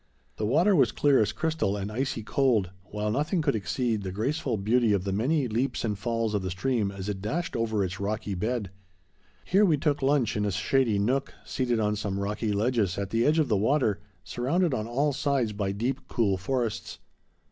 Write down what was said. The water was clear as crystal and icy cold, while nothing could exceed the graceful beauty of the many leaps and falls of the stream as it dashed over its rocky bed. Here we took lunch in a shady nook, seated on some rocky ledges at the edge of the water, surrounded on all sides by deep cool forests.